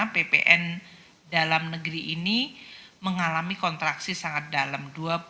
ppn dalam negeri ini mengalami kontraksi sangat dalam